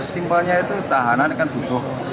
simpelnya itu tahanan kan butuh